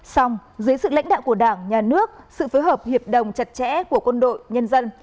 xong dưới sự lãnh đạo của đảng nhà nước sự phối hợp hiệp đồng chặt chẽ của quân đội nhân dân